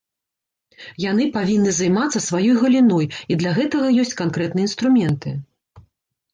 Яны павінны займацца сваёй галіной, і для гэтага ёсць канкрэтныя інструменты.